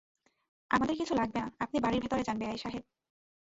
আমাদের কিছু লাগবে না, আপনি বাড়ির ভেতরে যান বেয়াই সাহেব।